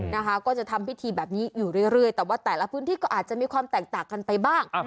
นะคะก็จะทำพิธีแบบนี้อยู่เรื่อยแต่ว่าแต่ละพื้นที่ก็อาจจะมีความแตกต่างกันไปบ้าง